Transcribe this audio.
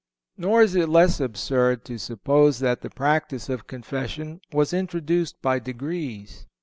Nor is it less absurd to suppose that the practice of Confession was introduced by degrees.